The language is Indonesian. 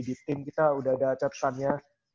di tim kita udah ada catatannya